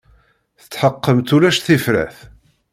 Tetḥeqqemt ulac tifrat?